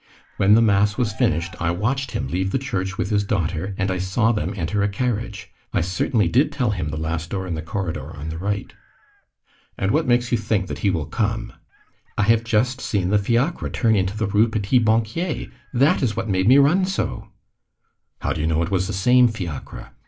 When the mass was finished, I watched him leave the church with his daughter, and I saw them enter a carriage. I certainly did tell him the last door in the corridor, on the right." "And what makes you think that he will come?" "I have just seen the fiacre turn into the Rue Petit Banquier. That is what made me run so." "How do you know that it was the same fiacre?"